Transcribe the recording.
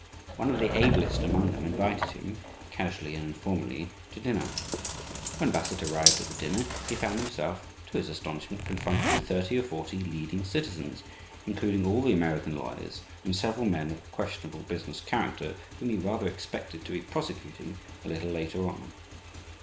One of the ablest among them invited him, casually and informally, to dinner. When Bassett arrived at the dinner he found himself, to his astonishment, confronted with thirty or forty "leading citizens," including all the American lawyers and several men of questionable business character whom he rather expected to be prosecuting a little later on.